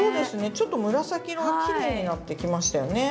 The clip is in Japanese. ちょっと紫色がきれいになってきましたよね。